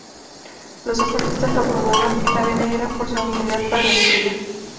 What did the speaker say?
Los zapatistas lo apodaban ""El Ave Negra"", por su habilidad para la intriga.